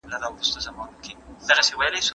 موږ په کمپيوټر کي معلومات ذخيره کوو.